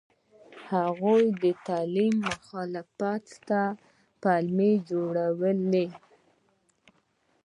هغوی د تعلیم مخالفت ته پلمې جوړولې.